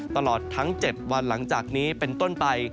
ตลอดทั้ง๗วันหลังจากนี้เป็นต้นไป